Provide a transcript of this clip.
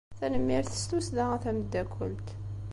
Tanemmirt s tussda a tameddakelt.